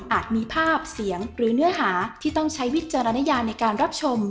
มีภาพเสียงหรือเนื้อหาที่ต้องใช้วิจารณญาในการรับชม